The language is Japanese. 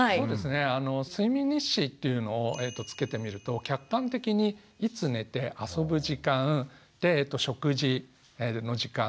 睡眠日誌というのをつけてみると客観的にいつ寝て遊ぶ時間で食事の時間